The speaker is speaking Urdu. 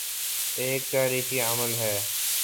ایک تاریخی عمل ہے۔